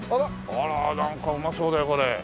あらなんかうまそうだよこれ。